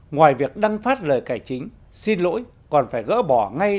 ngoài việc đăng phát lời cải chính xin lỗi còn phải gỡ bỏ ngay